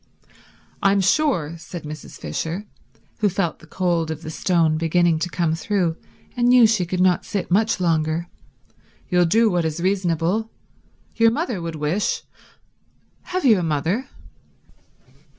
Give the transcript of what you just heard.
"I'm sure," said Mrs. Fisher, who felt the cold of the stone beginning to come through and knew she could not sit much longer, "you'll do what is reasonable. Your mother would wish—have you a mother?"